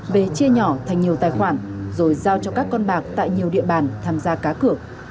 về chia nhỏ thành nhiều tài khoản rồi giao cho các con bạc tại nhiều địa bàn tham gia cá cửa